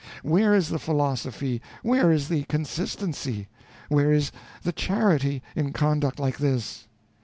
Where is the philosophy, where is the consistency, where is the charity, in conduct like this?